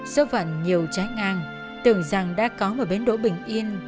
số phận nhiều trái ngang tưởng rằng đã có một bến đỗ bình yên